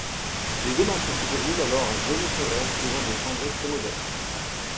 Les deux matchs se déroulent alors à Buenos Aires, devant des chambrées très modestes.